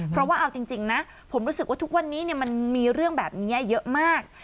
เพราะว่าเอาจริงนะผมรู้สึกว่าทุกวันนี้มันมีเรื่องแบบนี้เยอะมาก